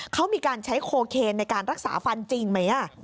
เขามีการใช้โคเคนในการรักษาฟันจริงไหม